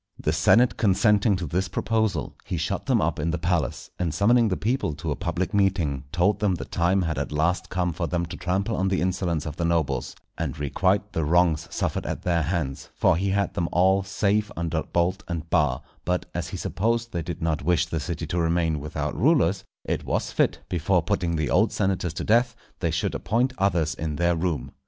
The senate consenting to this proposal, he shut them up in the palace, and summoning the people to a public meeting, told them the time had at last come for them to trample on the insolence of the nobles, and requite the wrongs suffered at their hands; for he had them all safe under bolt and bar; but, as he supposed they did not wish the city to remain without rulers, it was fit, before putting the old senators to death, they should appoint others in their room.